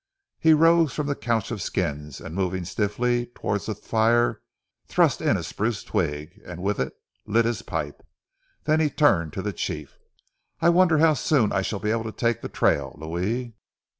He rose from the couch of skins, and moving stiffly towards the fire, thrust in a spruce twig, and with it lit his pipe. Then he turned to the chief. "I wonder how soon I shall be able to take the trail, Louis?"